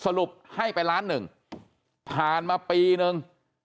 สรุปให้ไปล้านหนึ่งผ่านมาปีนึง